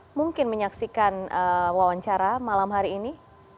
ada yang mungkin menyaksikan wawancara malam hari ini